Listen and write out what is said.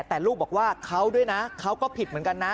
แต่ลูกบอกว่าเขาด้วยนะเขาก็ผิดเหมือนกันนะ